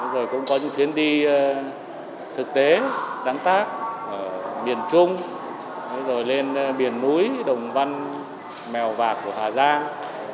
rồi cũng có những chuyến đi thực tế đáng tác ở miền trung rồi lên biển núi đồng văn mèo vạt của hà giang